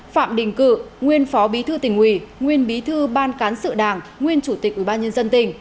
phạm đình cự nguyên phó bí thư tỉnh ủy nguyên bí thư ban cán sự đảng nguyên chủ tịch ubnd tỉnh